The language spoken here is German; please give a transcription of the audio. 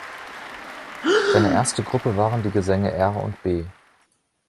Seine erste Gruppe waren die Gesänge R und B.